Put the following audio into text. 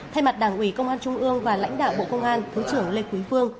thay mặt đảng ủy công an trung ương và lãnh đạo bộ công an thứ trưởng lê quý phương